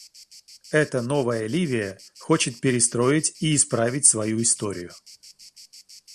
Эта новая Ливия хочет перестроить и исправить свою историю.